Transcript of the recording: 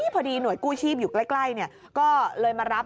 หน่วยกู้ชีพอยู่ใกล้ก็เลยมารับ